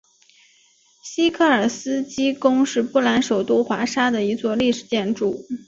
西科尔斯基宫是波兰首都华沙的一座历史建筑。